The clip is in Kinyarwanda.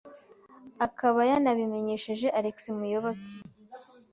akaba yanabimenyesheje Alex Muyoboke